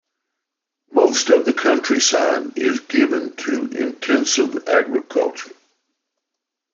Most of the countryside is given to intensive agriculture.